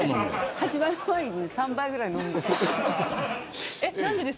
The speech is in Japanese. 始まる前に３杯ぐらい飲むんです。